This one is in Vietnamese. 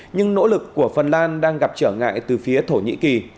nhưng nỗ lực của phần lan đang gặp trở ngại từ phía thổ nhĩ kỳ